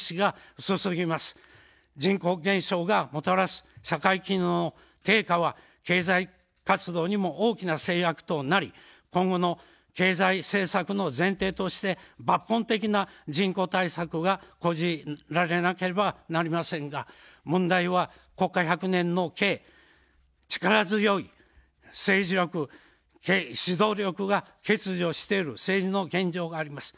人口減少がもたらす社会機能の低下は経済活動にも大きな制約となり今後の経済政策の前提として、抜本的な人口対策が講じられなければなりませんが、問題は国家百年の計、力強い政治力、指導力が欠如している政治の現状があります。